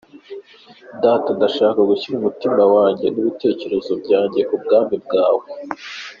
Data, ndashaka gushyira umutima wanjye n’ibitekerezo byanjye ku bwami bwawe.